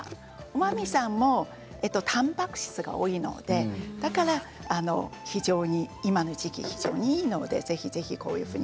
お豆さんもたんぱく質が多いのでだから非常に今の時期いいのでぜひぜひ。